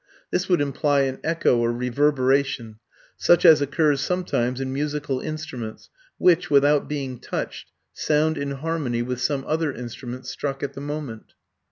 This would imply an echo or reverberation, such as occurs sometimes in musical instruments which, without being touched, sound in harmony with some other instrument struck at the moment.